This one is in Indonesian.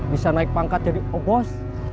bisa naik pangkat jadi obos